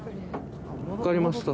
分かりました。